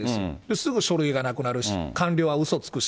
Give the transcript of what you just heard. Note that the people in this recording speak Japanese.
すぐ書類がなくなるし、官僚はうそつくし。